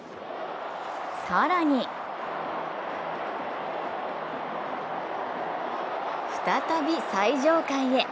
更に、再び最上階へ。